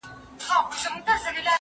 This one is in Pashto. فکر د زده کوونکي له خوا کيږي!.